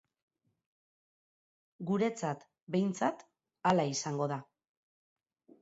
Guretzat, behintzat, hala izango da.